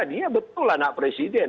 dia betul anak presiden